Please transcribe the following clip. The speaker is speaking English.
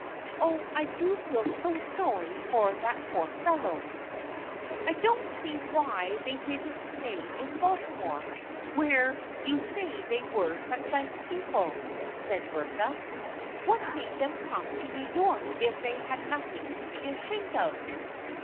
Oh, I do feel so sorry for that poor fellow !"" I don't see why they didn't stay in Baltimore where you say they were such nice people," said Bertha. " What made them come to New York if they had nothing to be ashamed of?